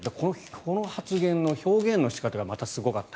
この発言の表現の仕方がまたすごかった。